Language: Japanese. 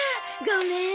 ごめーん。